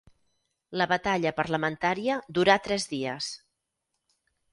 La batalla parlamentària durà tres dies.